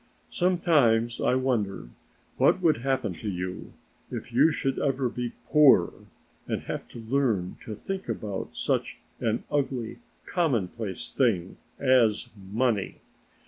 "Sometimes I wonder what would happen to you if you should ever be poor and have to learn to think about such an ugly, commonplace thing as money.